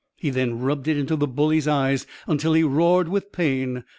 He then rubbed it into the bully's eyes until he roared with pain.